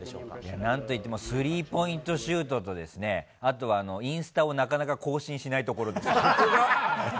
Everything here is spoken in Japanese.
なんといっても、スリーポイントシュートとですね、あとはインスタをなかなか更新しないところですね。